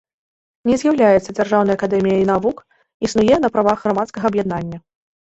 Не з'яўляецца дзяржаўнай акадэміяй навук, існуе на правах грамадскага аб'яднання.